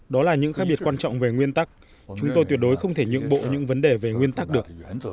đó là những khác biệt quan trọng về nguyên tắc chúng tôi tuyệt đối không thể nhượng bộ những vấn đề về nguyên tắc được